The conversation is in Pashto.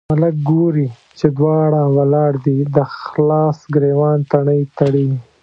ملک ګوري چې دواړه ولاړ دي، د خلاص ګرېوان تڼۍ تړي.